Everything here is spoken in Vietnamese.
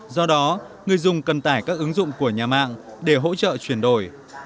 do đó người dùng cần tải các ứng dụng của nhà mạng để hỗ trợ chuyển đổi